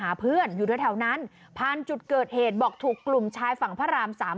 หาเพื่อนอยู่แถวนั้นผ่านจุดเกิดเหตุบอกถูกกลุ่มชายฝั่งพระรามสาม